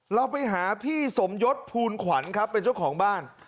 เราไปหาพี่สมยศภูลขวัญครับเป็นเจ้าของบ้าน